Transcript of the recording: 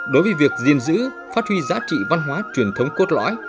đối với việc gìn giữ phát huy giá trị văn hóa truyền thống cốt lõi